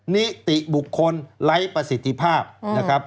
นิติบุคคลไร้ประสิทธิภาพนะครับ